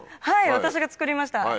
はい私が作りました。